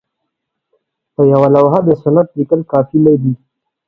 په یوه لوحه د سند لیکل کافي نه دي.